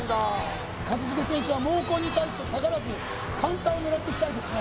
一茂選手は猛攻に対して下がらずカウンターを狙っていきたいですね